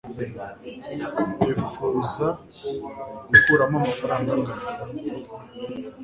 wifuza gukuramo amafaranga angahe